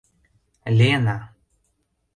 Лена!